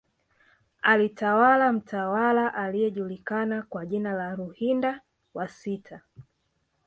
Alitawala mtawala aliyejulikana kwa jina la Ruhinda wa sita